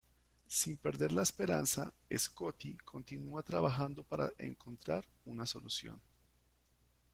Sin perder la esperanza, Scotty continúa trabajando para encontrar una solución.